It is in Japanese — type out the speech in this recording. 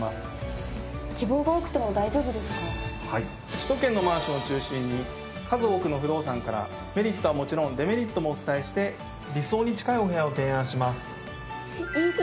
首都圏のマンションを中心に数多くの不動産からメリットはもちろんデメリットもお伝えして理想に近いお部屋を提案します。